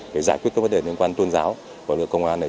để giải quyết các vấn đề liên quan tôn giáo của lực lượng công an này